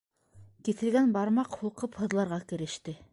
Киҫелгән бармаҡ һулҡып һыҙларға кереште.